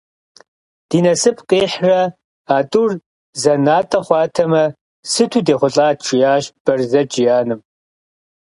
Ди насып къихьрэ а тӏур зэнатӏэ хъуатэмэ, сыту дехъулӏат, - жиӏащ Бэрзэдж и анэм.